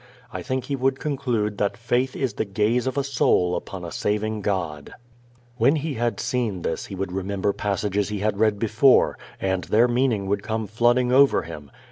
I think he would conclude that faith is the gaze of a soul upon a saving God. When he had seen this he would remember passages he had read before, and their meaning would come flooding over him.